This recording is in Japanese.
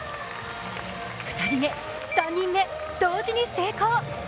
２人目、３人目、同時に成功。